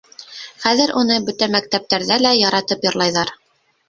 Хәҙер уны бөтә мәктәптәрҙә лә яратып йырлайҙар.